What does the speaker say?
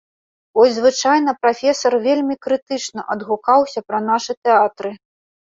Хоць звычайна прафесар вельмі крытычна адгукаўся пра нашы тэатры.